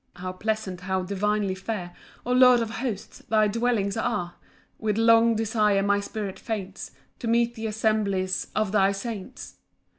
1 How pleasant, how divinely fair, O Lord of hosts, thy dwellings are! With long desire my spirit faints To meet th' assemblies of thy saints.